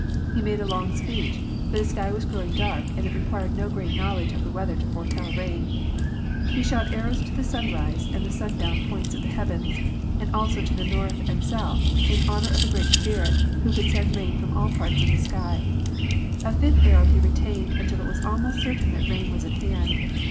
He made a long speech, for the sky was growing dark, and it required no great knowledge of the weather to foretell: rain. He shot arrows to the sunrise and sundown points of the heavens, and also to the north and south, in honor of the Great Spirit, who could send rain from all parts of the sky. A fifth arrow he retained until it was almost certain that rain was at hand.